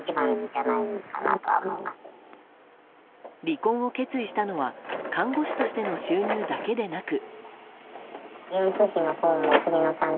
離婚を決意したのは看護師としての収入だけでなく。